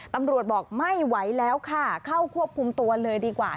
ตำรวจบอกไม่ไหวแล้วค่ะเข้าควบคุมตัวเลยดีกว่า